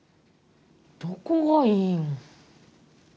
どこがいいん。